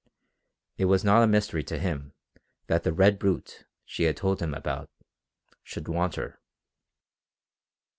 It was not a mystery to him that the "red brute" she had told him about should want her.